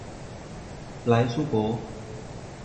莱苏博。